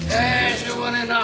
しょうがねえな。